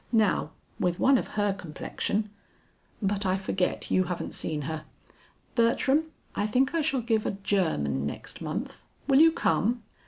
Now with one of her complexion But I forget you haven't seen her. Bertram, I think I shall give a German next month, will you come?